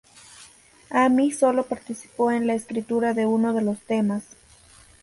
Ami sólo participó en la escritura de uno de los temas.